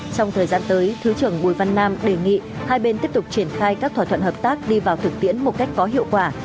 trong thời gian tới thứ trưởng bùi văn nam đề nghị hai bên tiếp tục triển khai các thỏa thuận hợp tác đi vào thực tiễn một cách có hiệu quả